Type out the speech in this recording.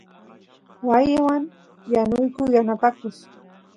waaywan yanuyku yanapakus